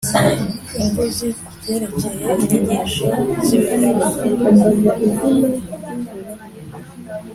Imbuzi ku byerekeye inyigisho z’ibinyoma